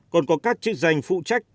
còn có các chức danh phụ trách